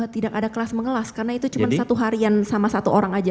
tidak ada kelas mengelas karena itu cuma satu harian sama satu orang aja